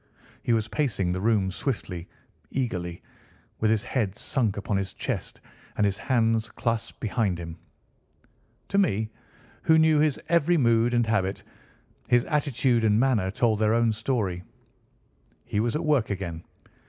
He was pacing the room swiftly, eagerly, with his head sunk upon his chest and his hands clasped behind him. To me, who knew his every mood and habit, his attitude and manner told their own story. He was at work again.